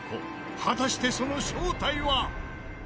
果たしてその正体は！？